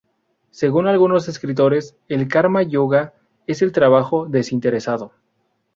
Según algunos escritores, el karma yoga es el trabajo desinteresado.